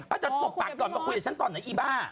จบปากก่อนมาคุยกับฉันตอนไหนอีบ้า